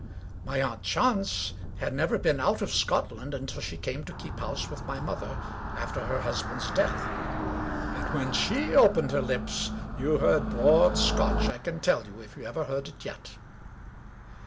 My aunt Chance had never been out of Scotland until she came to keep house with my mother after her husband's death. And when she opened her lips you heard broad Scotch, I can tell you, if you ever heard it yet